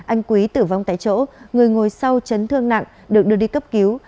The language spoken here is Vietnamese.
anh quý tử vong tại chỗ người ngồi sau chấn thương nặng được đưa đi cấp cứu